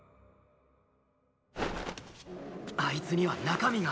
あいつには中身がある。